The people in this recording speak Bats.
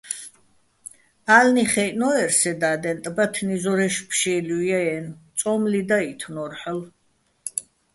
ა́ლნი ხაჲჸნო́ერ სე და́დენ, ტბათნი ზორაჲში̆ ფშე́ლუჲ ჲა -აჲნო̆, წო́მლი დაჸითინო́რ ჰ̦ალო̆.